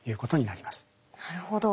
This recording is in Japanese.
なるほど。